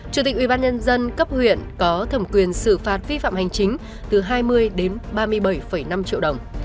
chủ tịch ubnd cấp huyện có thẩm quyền xử phạt vi phạm hành chính từ hai mươi đến ba mươi bảy năm triệu đồng